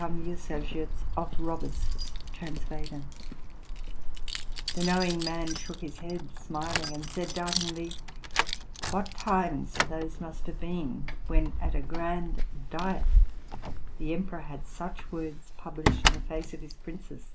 ''* The knowing man shook his head, smiling, and said doubtingly, '* What times those must have been, when, at a grand diet, the emperor had such words published in the face of his princes!